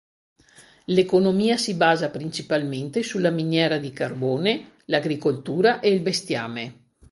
L'economia si basa principalmente sulla miniera di carbone, l'agricoltura e il bestiame.